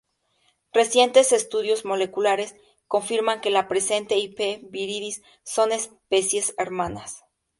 Recientes estudios moleculares confirman que la presente y "P. viridis" son especies hermanas.